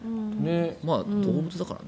動物だからね。